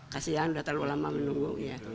kasian sudah terlalu lama menunggu